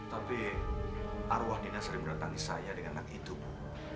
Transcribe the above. tapi arwah dina sering mendatangi saya dengan anak itu bu